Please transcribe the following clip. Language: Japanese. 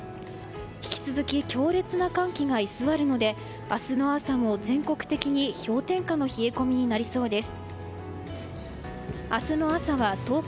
引き続き強烈な寒気が居座るので明日の朝も全国的に氷点下の冷え込みになりそうです。